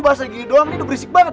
basah gini doang ini tuh berisik banget